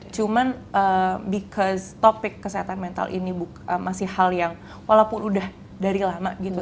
cuman because topik kesehatan mental ini masih hal yang walaupun udah dari lama gitu